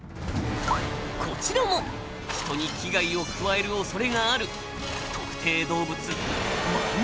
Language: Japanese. こちらも人に危害を加える恐れがある。